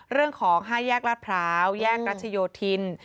เรื่องของ๕แยกลาดพร้าวแยกรัชโยธิน